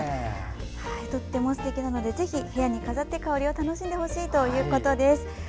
とってもすてきなのでぜひ部屋に飾って香りを楽しんでほしいということです。